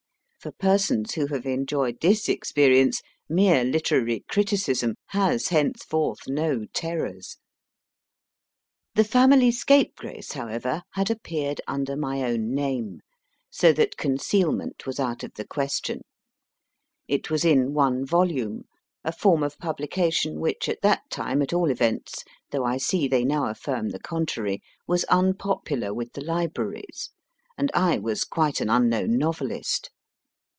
For persons who have enjoyed this experience, mere literary criticism has hence forth no terrors. THE SERVANT CAME TO PUT COALS ON THE FIRE 24 MY FIRST BOOK 1 The Family Scapegrace, however, had appeared under my own name, so that concealment was out of the question ; it was in one volume, a form of publication which, at that time at all events (though I see they now affirm the contrary), was unpopular with the libraries, and I was quite an unknown novelist.